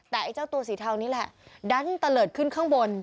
แต่ไอ้เจ้าตัวสีเทานี่แหละดันตะเลิศขึ้นข้างบน